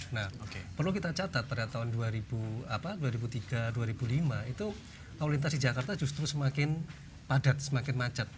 nah perlu kita catat pada tahun dua ribu tiga dua ribu lima itu lalu lintas di jakarta justru semakin padat semakin macet